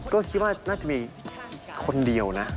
ก็คิดว่าน่าจะมีคนเดียวนะ